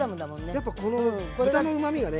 やっぱこの豚のうまみがね